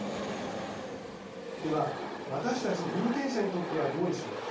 では私たち有権者にとってはどうでしょうか。